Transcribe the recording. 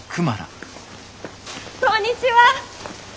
こんにちは。